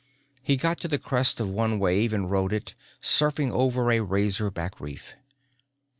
He got to the crest of one wave and rode it in, surfing over a razorback reef.